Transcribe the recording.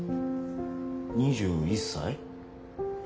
２１歳？